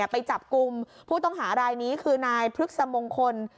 ไปจับกลุ่มผู้ต้องหารายนี้คือนายพฤกษมงคล